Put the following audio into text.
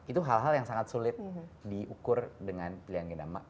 itu hal hal yang sangat sulit diukur dengan pilihan genama